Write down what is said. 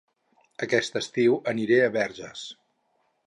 Aquest estiu aniré a Verges